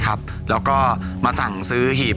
ครับก็จากงานสับปะเหลอโลก